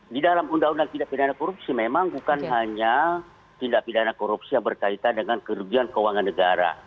di dalam undang undang tidak pindah korupsi memang bukan hanya tindak pidana korupsi yang berkaitan dengan kerugian keuangan negara